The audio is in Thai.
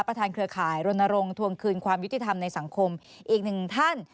เครือข่ายรณรงควงคืนความยุติธรรมในสังคมอีกหนึ่งท่าน